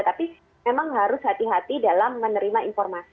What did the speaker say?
tapi memang harus hati hati dalam menerima informasi